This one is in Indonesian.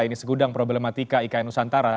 ini segudang problematika ikn nusantara